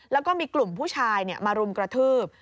แล้วก็มีกลุ่มผู้ชายมารุมกระทืบ